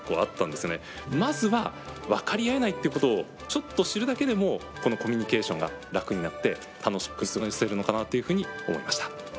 まずは分かり合えないってことをちょっと知るだけでもこのコミュニケーションが楽になって楽しく過ごせるのかなというふうに思いました。